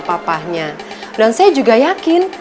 papahnya dan saya juga yakin